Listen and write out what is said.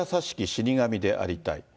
死神でありたい。